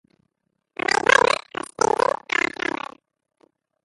A Vallbona els pengen a la trona.